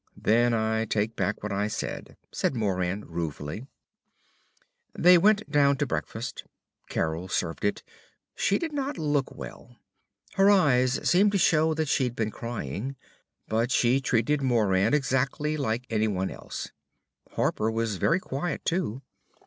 "Then I take back what I said," said Moran ruefully. They went down to breakfast. Carol served it. She did not look well. Her eyes seemed to show that she'd been crying. But she treated Moran exactly like anyone else. Harper was very quiet, too.